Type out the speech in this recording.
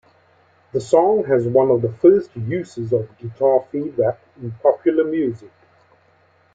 The song has one of the first uses of guitar feedback in popular music.